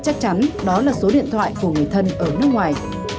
chắc chắn đó là số điện thoại của người thân ở nước ngoài